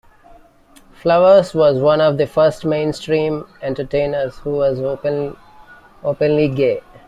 Flowers was one of the first mainstream entertainers who was openly gay.